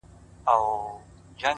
وخت د انتظار نه کوي’